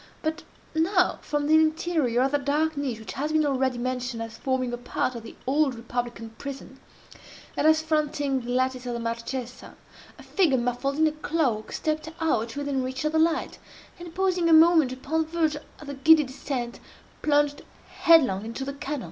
but now, from the interior of that dark niche which has been already mentioned as forming a part of the Old Republican prison, and as fronting the lattice of the Marchesa, a figure muffled in a cloak, stepped out within reach of the light, and, pausing a moment upon the verge of the giddy descent, plunged headlong into the canal.